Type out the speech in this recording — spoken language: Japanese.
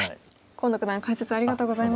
河野九段解説ありがとうございました。